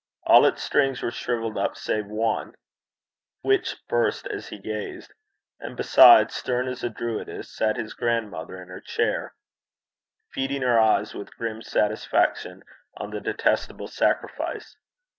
All its strings were shrivelled up save one, which burst as he gazed. And beside, stern as a Druidess, sat his grandmother in her chair, feeding her eyes with grim satisfaction on the detestable sacrifice.